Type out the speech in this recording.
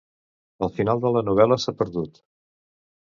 El final de la novel·la s'ha perdut.